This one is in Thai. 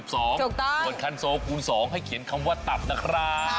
ส่วนคันโซคูณ๒ให้เขียนคำว่าตับนะครับ